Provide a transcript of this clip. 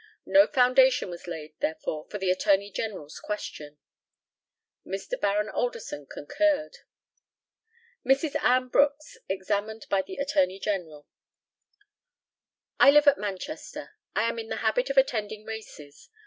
No foundation was laid, therefore, for the Attorney General's question. Mr. Baron ALDERSON concurred. Mrs. ANN BROOKS, examined by the ATTORNEY GENERAL: I live at Manchester. I am in the habit of attending races.